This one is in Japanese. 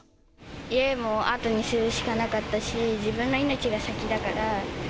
家も後にするしかなかったし、自分の命が先だから。